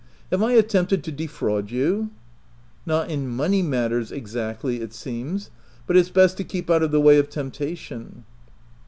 Have I attempted to de fraud you ?*'" Not in money matters, exactly, it seems, but it's best to keep out of the way of tempt ation."